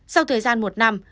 sau thời gian một năm